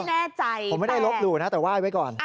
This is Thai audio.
ฉันไม่แน่ใจแต่ผมไม่ได้ลบหลู่นะแต่ว่าไว้ไว้ก่อน